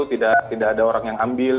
di situ tidak ada orang yang ambil